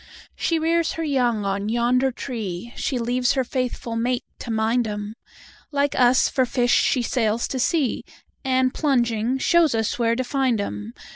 She rears her young on yonder tree, She leaves her faithful mate to mind 'em; Like us, for fish, she sails to sea, And, plunging, shows us where to find 'em.